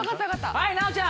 はい奈央ちゃん。